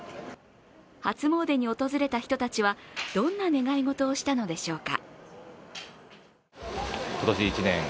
初詣に訪れた人たちはどんな願い事をしたのでしょうか。